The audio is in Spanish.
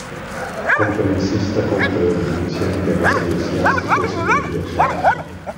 Conferencista con predominancia en temas eclesiásticos y religiosos.